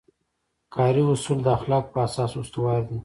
کاري اصول د اخلاقو په اساس استوار دي.